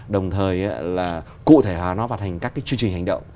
đồng thời cụ thể họa nó vào thành các chương trình hành động